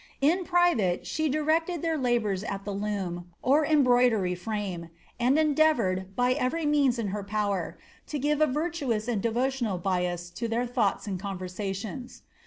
In private she directed their labours at the loom, or embroidery frame, and endeavoured, by every means in her power, to fije a virtuous and devotional bias to their thoughts and conversations.